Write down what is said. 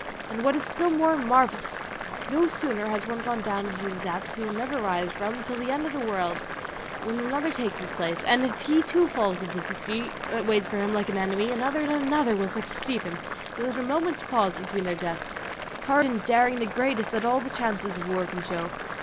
And what is still more marvellous, no sooner has one gone down into the depths he will never rise from till the end of the world, than another takes his place; and if he too falls into the sea that waits for him like an enemy, another and another will succeed him without a moment's pause between their deaths: courage and daring the greatest that all the chances of war can show.